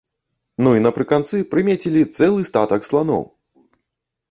Ну і напрыканцы прымецілі цэлы статак сланоў!